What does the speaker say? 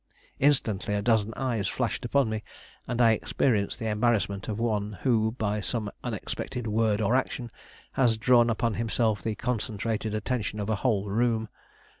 Instantly a dozen eyes flashed upon me, and I experienced the embarrassment of one who, by some unexpected word or action, has drawn upon himself the concentrated attention of a whole room.